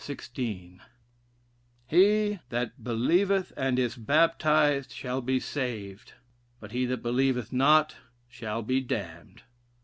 16: 'He that believeth, and is baptized, shall be saved; but he that believeth not, shall be damned.'